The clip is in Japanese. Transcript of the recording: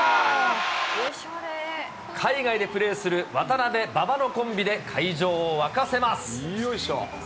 海外でプレーする渡邊、馬場のコンビで会場を沸かせます。